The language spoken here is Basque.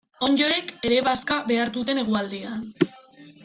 Onddoek ere bazka behar dute negualdian.